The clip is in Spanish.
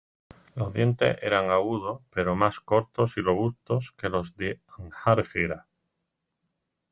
Los dientes eran agudos pero más cortos y robustos que los de "Anhanguera".